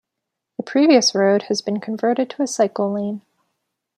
The previous road has been converted to a cycle lane.